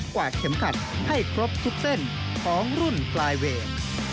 วาดเข็มขัดให้ครบทุกเส้นของรุ่นปลายเวท